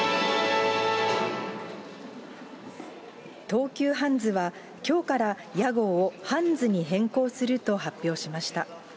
東急ハンズは、きょうから屋号をハンズに変更すると発表しました。